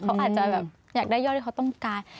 เขาอาจจะแบบอยากได้ยอดที่เขาต้องการ